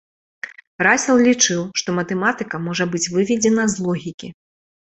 Расел лічыў, што матэматыка можа быць выведзена з логікі.